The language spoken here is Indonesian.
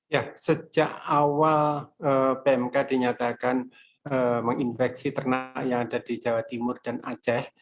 ya sejak awal pmk dinyatakan menginfeksi ternak yang ada di jawa timur dan aceh